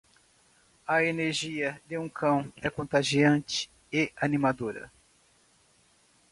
A energia de um cão é contagiante e animadora.